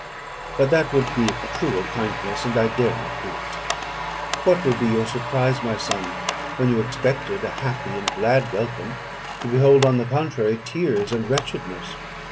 But that would be a cruel kindness, and I dare not do it. What would be your surprise, my son, when you expected a happy and glad welcome, to behold, on the contrary, tears and wretchedness?